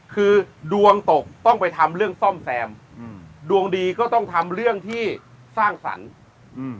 คือดวงตกต้องไปทำเรื่องซ่อมแซมอืมดวงดีก็ต้องทำเรื่องที่สร้างสรรค์อืม